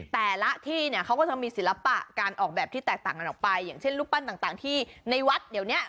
แต่ละที่เนี่ยเขาก็จะมีศิลปะการออกแบบที่แตกต่างกันออกไปอย่างเช่นรูปปั้นต่างที่ในวัดเดี๋ยวเนี้ย